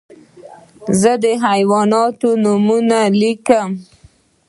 زه د حیواناتو نومونه لیکم.